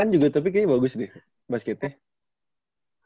juga tapi kayaknya bagus nih basketnya